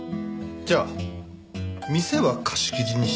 じゃあ店は貸し切りにして僕とサシで。